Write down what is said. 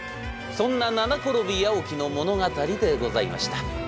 そんな「七転び八起き」の物語でございました。